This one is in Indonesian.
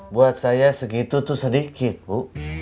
buat saya segitu itu sedikit bu